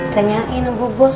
tanyain bu bos